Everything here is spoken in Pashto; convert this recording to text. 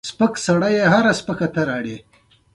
د دلارام ولسوالي د ولایتي ادارې لخوا په ځانګړي پام کي ده.